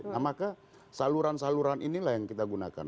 nah maka saluran saluran inilah yang kita gunakan